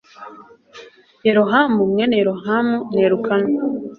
Yerohamu mwene Yerohamu ni Elukana